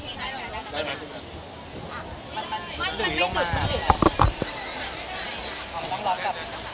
มีทิชชู่ไหมคะ